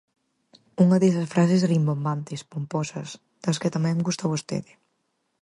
Unha desas frases rimbombantes, pomposas, das que tamén gusta vostede.